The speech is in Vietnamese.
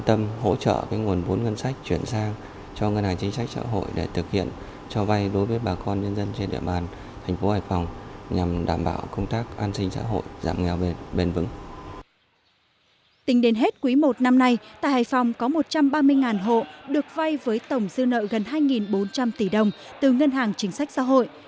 tính đến hết quý i năm nay tại hải phòng có một trăm ba mươi hộ được vay với tổng dư nợ gần hai bốn trăm linh tỷ đồng từ ngân hàng chính sách giáo hội